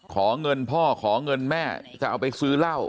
ขอเงินพ่อขอเงินแม่จะเอาไปซื้อเหล้า